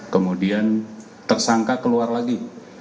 kemudian tersangka keluar lagi